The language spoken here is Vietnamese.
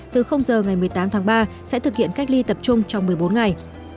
từ giờ ngày một mươi tám tháng ba sẽ thực hiện cách ly tập trung trong một mươi bốn ngày